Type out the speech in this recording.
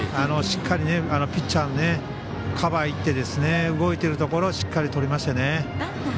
しっかりピッチャーもカバーいって動いてるところをしっかりとりましたね。